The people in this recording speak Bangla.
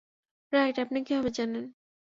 রাইট, আপনি কিভাবে জানেন?